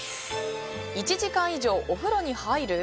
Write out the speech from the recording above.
１時間以上お風呂に入る？